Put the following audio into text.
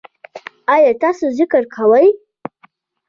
ایا تاسو ذکر کوئ؟